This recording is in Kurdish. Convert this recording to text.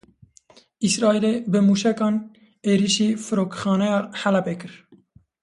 Îsraîlê bi mûşekan êrişî Firokexaneya Helebê kir.